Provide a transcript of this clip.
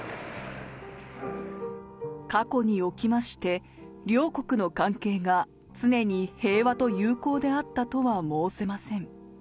過去におきまして、両国の関係が常に平和と友好であったとは申せません。